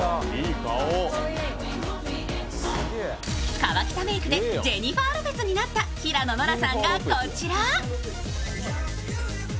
河北メークでジェニファー・ロペスになった平野ノラさんがこちら。